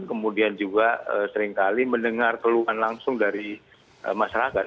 kemudian juga seringkali mendengar keluhan langsung dari masyarakat